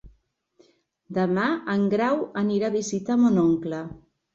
Demà en Grau anirà a visitar mon oncle.